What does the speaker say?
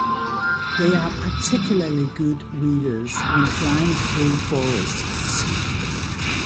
They are particularly good weavers when flying through forests.